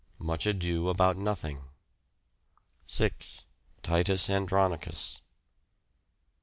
Much Ado About Nothing. 6. Titus Andronicus.